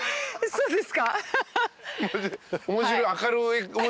そうです。